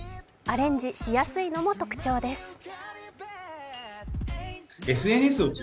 アレンジしやすいのも特徴です。